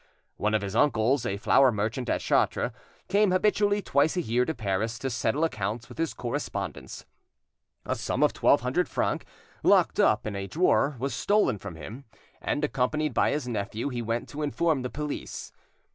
One of his uncles, a flour merchant at Chartres, came habitually twice a year to Paris to settle accounts with his correspondents. A sum of twelve hundred francs, locked up in a drawer, was stolen from him, and, accompanied by his nephew, he went to inform the police.